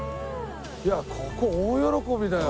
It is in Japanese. いやここ大喜びだよ。